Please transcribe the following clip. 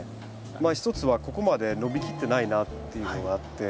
まあ一つはここまで伸びきってないなっていうのがあって。